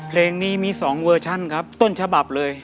เพลงนี้มี๒เวอร์ชันครับต้นฉบับเลย